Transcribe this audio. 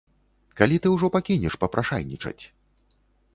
Калі ты ўжо пакінеш папрашайнічаць?